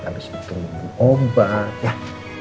habis itu minum obat yah